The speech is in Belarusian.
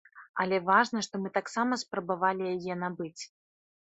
Але важна, што мы таксама спрабавалі яе набыць.